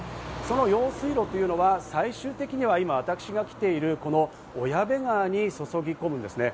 この用水路というのは最終的には今、私が来ている、この小矢部川に注ぎ込むんですね。